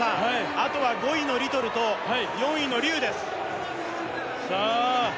あとは５位のリトルと４位の劉ですさあ